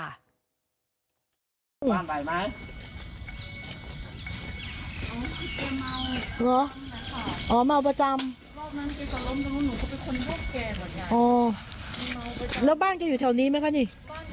คือบ้านแกอยู่แถวนี้มั้ยคะนี่